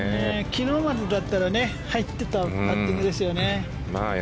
昨日までだったら入っていたパッティングですね。